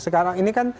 sekarang ini kan